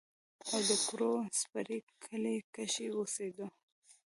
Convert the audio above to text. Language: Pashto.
او د کروړې سېرۍ کلي کښې اوسېدو